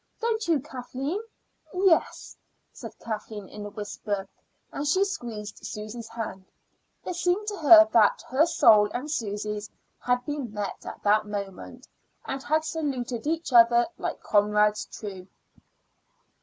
Don't you, Kathleen?" "Yes," said Kathleen in a whisper, and she squeezed Susy's hand. It seemed to her that her soul and Susy's had met at that moment, and had saluted each other like comrades true.